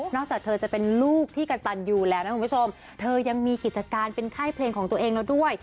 จากเธอจะเป็นลูกที่กระตันอยู่แล้วนะคุณผู้ชมเธอยังมีกิจการเป็นค่ายเพลงของตัวเองแล้วด้วย